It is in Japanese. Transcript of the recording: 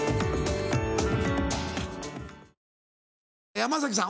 山崎さん